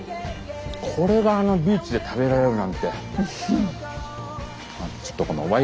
これがあのビーチで食べられるなんて。